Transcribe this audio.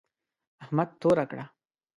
احمد توره کړه.